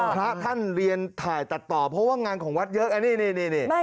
พระท่านเรียนถ่ายตัดต่อเพราะว่างานของวัดเยอะอันนี้